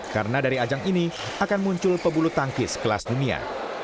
karena dari ajang ini akan muncul pebulu tangkis kelas dunia